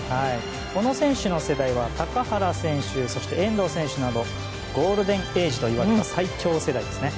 小野選手の世代は高原選手そして遠藤選手などゴールデンエイジといわれた最強世代ですね。